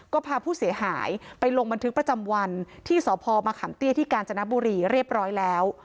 ก็พาผู้เสียหายไปลงบันทึกประจำวันที่สพมะขามเตี้ยที่กาญจนบุรีเรียบร้อยแล้ว